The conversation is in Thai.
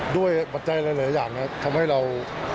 ด้วยบัตรใจหลายอย่างนะครับทำให้เรา